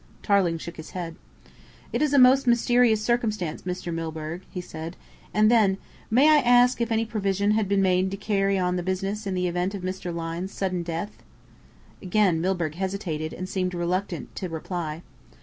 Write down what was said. Tarling shook his head. "It is a most mysterious circumstance, Mr. Milburgh," he said. And then: "May I ask if any provision had been made to carry on the business in the event of Mr. Lyne's sudden death?" Again Milburgh hesitated, and seemed reluctant to reply.